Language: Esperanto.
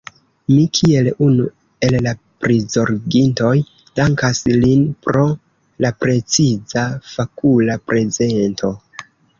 Mi kiel unu el la prizorgintoj dankas lin pro la preciza, fakula prezento.